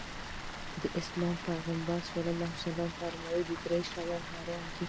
د اسلام پيغمبر ص وفرمايل درې شيان حرام دي.